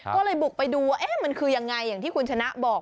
ก็เลยบุกไปดูว่ามันคือยังไงอย่างที่คุณชนะบอก